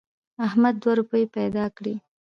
احمد دوه روپۍ پیدا کړې.